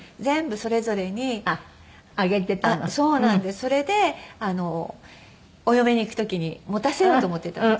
それでお嫁に行く時に持たせようと思ってたんです。